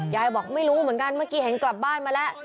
ยายบอกไม่รู้เหมือนกันเมื่อกี้เห็นกลับบ้านมาแล้ว